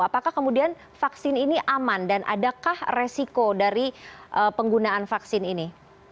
apakah kemudian vaksin ini aman dan adakah resiko dari penggunaan vaksin ini